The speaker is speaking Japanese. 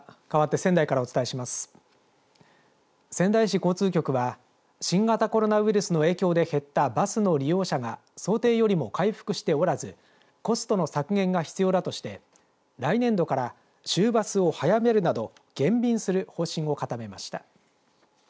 仙台市交通局は新型コロナウイルスの影響で減ったバスの利用者が想定よりも回復しておらずコストの削減が必要だとして来年度から終バスを早めるなど減便する方針を固めました。